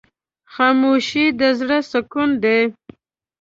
خاموشي، د زړه سکون دی.